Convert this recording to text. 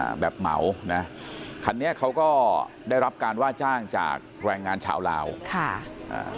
แบบเหมานะคันนี้เขาก็ได้รับการว่าจ้างจากแรงงานชาวลาวค่ะอ่า